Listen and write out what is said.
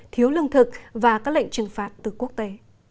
thiếu lương thực và các lệnh trừng phạt từ quốc tế